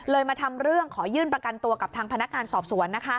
มาทำเรื่องขอยื่นประกันตัวกับทางพนักงานสอบสวน